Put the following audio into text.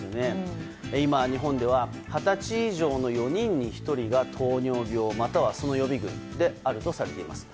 今、日本では二十歳以上の４人に１人が糖尿病、またはその予備軍であるとされています。